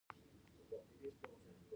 پلان له مخکې وړاندوينه شوې طریقه ده.